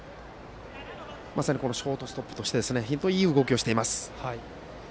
まさにショートストップとして本当にいい動きをしています。